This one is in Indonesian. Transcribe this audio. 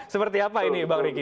seperti apa ini bang riki